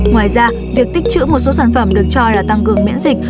ngoài ra việc tích chữ một số sản phẩm được cho là tăng cường miễn dịch